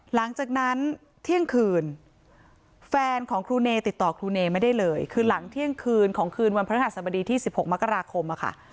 หรือหลังเที่ยงคืนของคืนวันพระระหัสบดีที่๑๖มกราคม